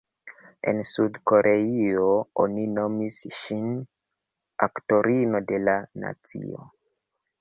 En Sud-Koreio oni nomis ŝin ""aktorino de la nacio"".